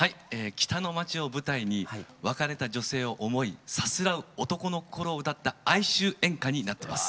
北の街を舞台に別れた女性を思いさすらう男の心を歌った哀愁演歌になってます。